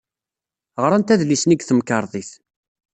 Ɣrant adlis-nni deg temkarḍit.